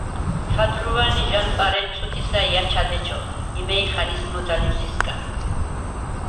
ჩვადრუვან ი ჟ’ანპარ ეჯ წუთისა ი აჩად ეჩოხ, იმა̈ჲხენ ისმოდა ლივსისკა̈ლ.